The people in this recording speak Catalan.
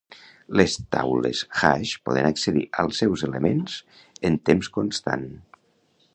Les taules hash poden accedir als seus elements en temps constant.